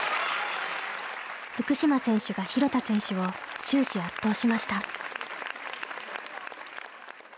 福島選手が廣田選手を終始圧倒しました。